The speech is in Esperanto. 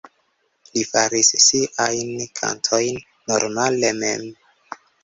Li faris siajn kantojn normale mem.